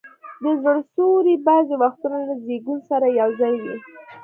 د زړه سوري بعضي وختونه له زیږون سره یو ځای وي.